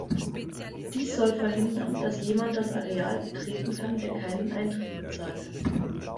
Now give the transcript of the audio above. Dies soll verhindern, dass jemand das Areal betreten kann, der keinen Eintritt bezahlt hat.